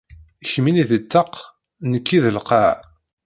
Kemmini di ṭṭaq, nekki di lqaɛa.